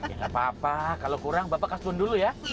ya nggak apa apa kalau kurang bapak kastrun dulu ya